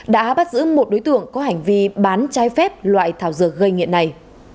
đã bắt giữ một đối tượng có hành vi bán trái phép loại thảo dược gây nghiện này